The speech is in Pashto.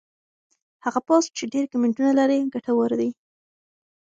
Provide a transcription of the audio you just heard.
هغه پوسټ چې ډېر کمنټونه لري ګټور دی.